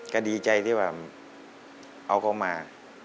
ก็ดีใจที่ว่าเอาเขามา